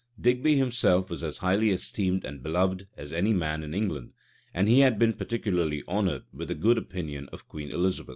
[v] Digby himself was as highly esteemed and beloved as any man in England; and he had been particularly honored with the good opinion of Queen Elizabeth.